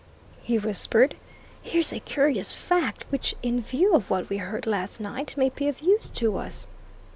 he whispered. "Here's a curious fact which, in view of what we heard last night, may be of use to us."